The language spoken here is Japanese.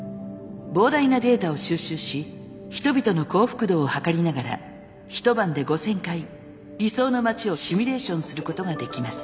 膨大なデータを収集し人々の幸福度をはかりながら一晩で５，０００回理想の街をシミュレーションすることができます。